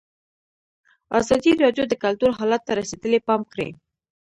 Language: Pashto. ازادي راډیو د کلتور حالت ته رسېدلي پام کړی.